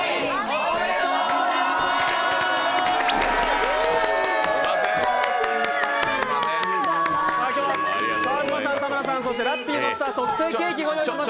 ありがとうございます。